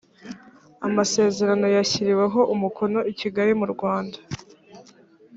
amasezerano yashyiriweho umukono i kigali mu rwanda